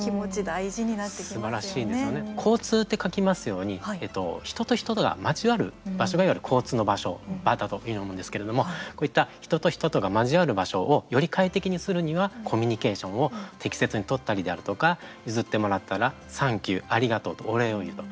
交通って書きますように人と人とが交わる場所がいわゆる交通という場所場だというふうに思うんですけれどもこういった人と人とが交わる場所をより快適にするにはコミュニケーションを適切に取ったりであるとか譲ってもらったら、サンキューありがとうとお礼を言うと。